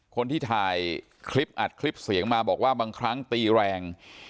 คนที่ถ่ายคลิปอัดคลิปเสียงมาบอกว่าบางครั้งตีแรง